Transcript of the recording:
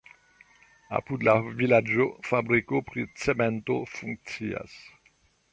Apud la vilaĝo fabriko pri cemento funkcias.